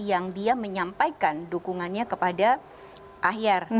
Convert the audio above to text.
yang dia menyampaikan dukungannya kepada ahyar